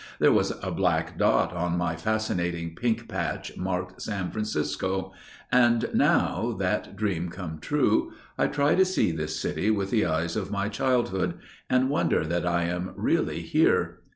There was a black dot on my fascinating pink patch marked San Francisco, and now, that dream come true, I try to see this city with the eyes of my childhood, and wonder that I am really here.